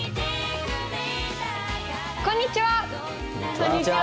こんにちは！